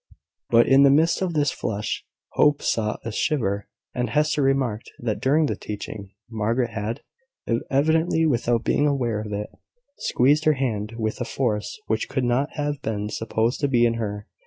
But in the midst of this flush, Hope saw a shiver: and Hester remarked, that during the teaching, Margaret had, evidently without being aware of it, squeezed her hand with a force which could not have been supposed to be in her.